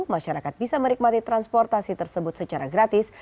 masyarakat bisa menikmati transportasi tersebut secara gratis